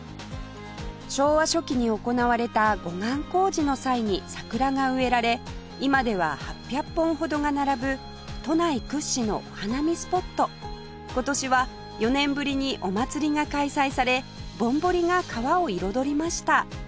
昭和初期に行われた護岸工事の際に桜が植えられ今では８００本ほどが並ぶ都内屈指のお花見スポット今年は４年ぶりにお祭りが開催されぼんぼりが川を彩りました